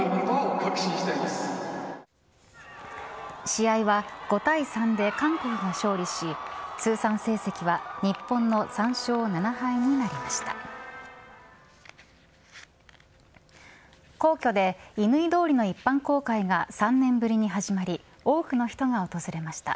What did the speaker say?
試合は５対３で韓国が勝利し、通算成績は日本の３勝７敗になりました。